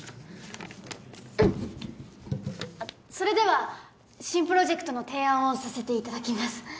それでは新プロジェクトの提案をさせていただきます。